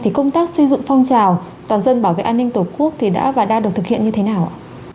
thì công tác xây dựng phong trào toàn dân bảo vệ an ninh tổ quốc đã và đang được thực hiện như thế nào ạ